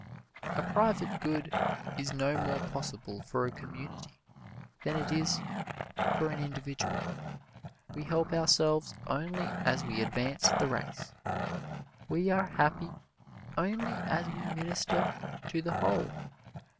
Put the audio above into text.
A private good is no more possible for a community than it is for an individual. We help ourselves only as we advance the race we are happy only as we minister to the whole.